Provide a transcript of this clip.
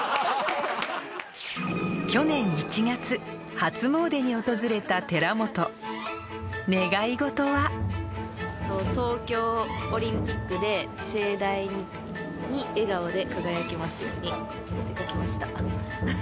初詣に訪れた寺本願いごとは「東京オリンピックで盛大に笑顔で輝けますように」って書きました。